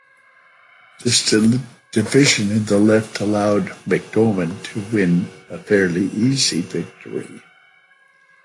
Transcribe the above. This division in the left allowed McDorman to win a fairly easy victory.